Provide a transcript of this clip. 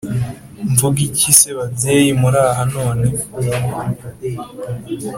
mvuge iki se babyeyi muraha none